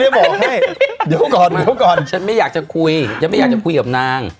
บอกให้เดี๋ยวก่อนเดี๋ยวก่อนฉันไม่อยากจะคุยฉันไม่อยากจะคุยกับนาง